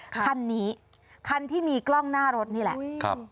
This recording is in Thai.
คันนี้คันที่มีกล้องหน้ารถนี่แหละครับ